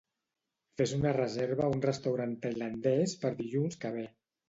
Fes una reserva a un restaurant tailandès per dilluns que ve.